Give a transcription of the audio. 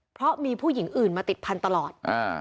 เพราะมีผู้หญิงอื่นมาติดพันธุ์ตลอด